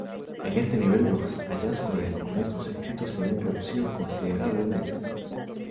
En este nivel los hallazgos de documentos escritos se ven reducidos considerablemente.